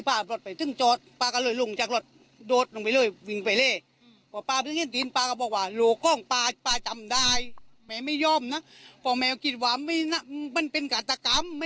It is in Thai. พ่อแม่กิจทึ่งว่าไม่มีมากก็เป็นการตกรรม